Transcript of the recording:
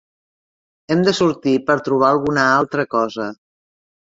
Hem de sortir per trobar alguna altra cosa.